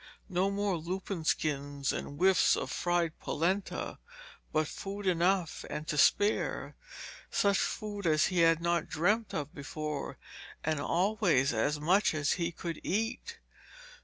No more lupin skins and whiffs of fried polenta, but food enough and to spare; such food as he had not dreamt of before, and always as much as he could eat.